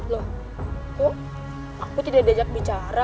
loh kok aku tidak diajak bicara